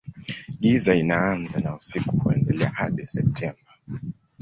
Giza inaanza na usiku huendelea hadi Septemba.